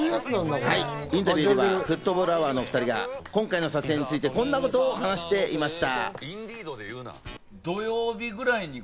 インタビューではフットボールアワーのお２人が今回の撮影についてこんなことを話していました。